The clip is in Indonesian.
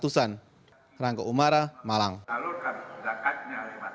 salurkan zakatnya lima